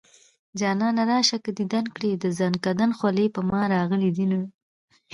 جانانه راشه که ديدن کړي د زنکدن خولې په ما راغلي دينه